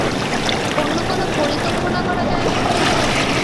অন্য কোনো পরিকল্পনা করা যায় না?